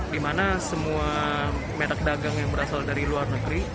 dimana semua merek dagang yang berasal dari luar negeri